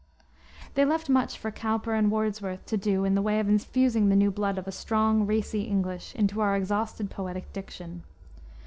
They left much for Cowper and Wordsworth to do in the way of infusing the new blood of a strong, racy English into our exhausted poetic diction.